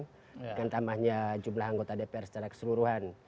dengan tambahnya jumlah anggota dpr secara keseluruhan